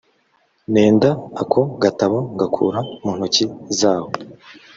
nenda ako gatabo ngakura mu ntoki zaho